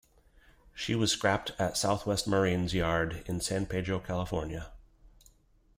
She was scrapped at Southwest Marine's yard in San Pedro, California.